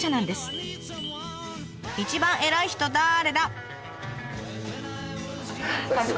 一番偉い人だれだ？